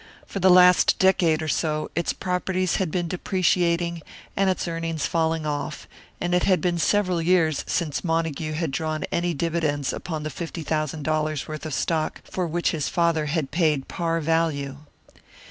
For the last decade or so its properties had been depreciating and its earnings falling off, and it had been several years since Montague had drawn any dividends upon the fifty thousand dollars' worth of stock for which his father had paid par value.